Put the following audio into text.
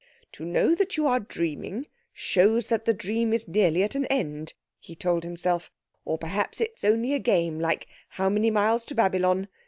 "To know that you are dreaming shows that the dream is nearly at an end," he told himself; "or perhaps it's only a game, like 'How many miles to Babylon?